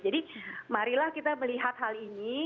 jadi marilah kita melihat hal ini